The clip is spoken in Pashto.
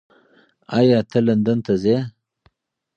ایا ته لندن ته ځې؟